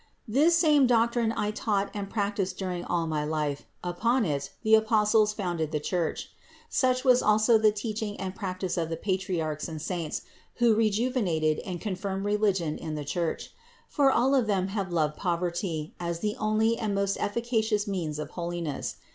This same doctrine I taught and practiced during all my life, and upon it the Apostles founded the Church. Such was also the teaching and practice of the Patriarchs and Saints, who rejuvenated and confirmed religion in the Church; for all of them have loved poverty, as the only and most efficacious means of holiness.